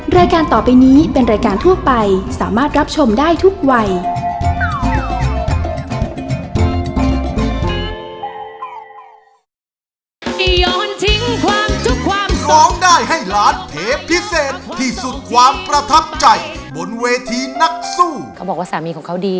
รายการต่อไปนี้เป็นรายการทั่วไปสามารถรับชมได้ทุกวัย